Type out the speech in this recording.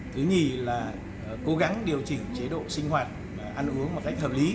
thứ nhì là cố gắng điều chỉnh chế độ sinh hoạt ăn uống một cách hợp lý